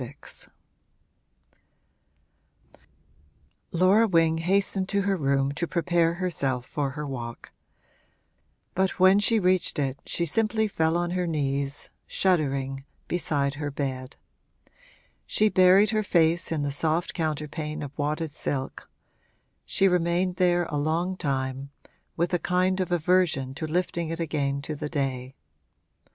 VI Laura Wing hastened to her room to prepare herself for her walk; but when she reached it she simply fell on her knees, shuddering, beside her bed. She buried her face in the soft counterpane of wadded silk; she remained there a long time, with a kind of aversion to lifting it again to the day.